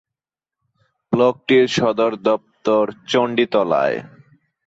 ব্লকটির সদর দপ্তর চণ্ডীতলায়।